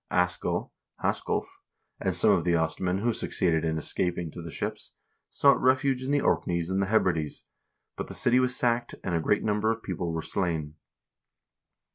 Askell (Hasculf) and some of the Ostmen who suc ceeded in escaping to the ships sought refuge in the Orkneys and the Hebrides, but the city was sacked, and a great number of people were slain.